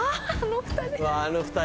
ああの２人！